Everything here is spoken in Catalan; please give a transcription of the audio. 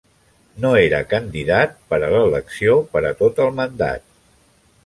No era candidat per a l'elecció per a tot el mandat.